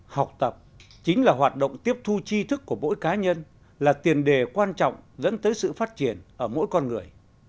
học tập chính là hoạt động tiếp thu chi thức của mỗi cá nhân là tiền đề quan trọng dẫn tới sự phát triển ở mỗi con người